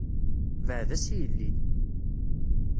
Beɛɛed-as i yelli!